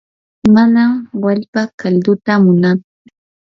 manam wallpa kalduta munaatsu.